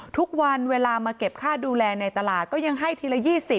ทุกวันเวลามาเก็บค่าดูแลในตลาดก็ยังให้ทีละ๒๐